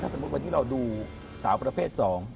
ถ้าสมมุติว่าที่เราดูสาวประเภทสอง